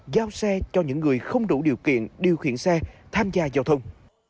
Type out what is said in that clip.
giao xe cho những người không đủ điều kiện điều khiển xe tham gia giao thông